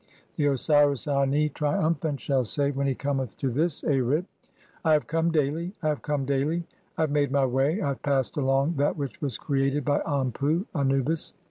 The Osiris Ani, trium phant, shall say [when he cometh to this Arit] :— "I have "come (7) daily, I have come daily. I have made [my] way ; "I have passed along that which was created by Anpu (Anubis).